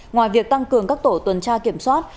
ngoài việc tăng cường các tổ tuần tra kiểm soát